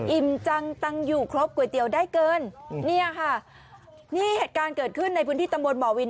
จังตังอยู่ครบก๋วยเตี๋ยวได้เกินเนี่ยค่ะนี่เหตุการณ์เกิดขึ้นในพื้นที่ตำบลบ่อวิน